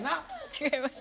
違います。